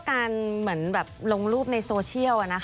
การลงรูปในโซเชียล